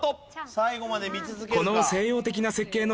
最後まで見続けるか。